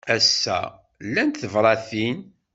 Ass-a, llant tebṛatin?